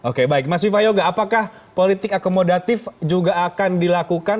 oke baik mas viva yoga apakah politik akomodatif juga akan dilakukan